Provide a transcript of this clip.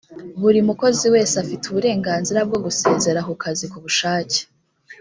buri mukozi wese afite uburenganzira bwo gusezera ku kazi ku bushake.